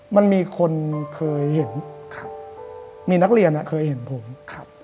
มันมีคนเคยเห็นครับมีนักเรียนอ่ะเคยเห็นผมครับ